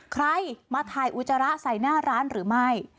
ใครมาถ่ายอุจจาระใส่หน้าร้านหรือไม่